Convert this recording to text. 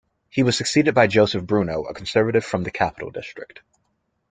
He was succeeded by Joseph Bruno, a conservative from the Capital District.